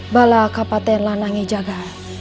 bala kapaten yang menjaga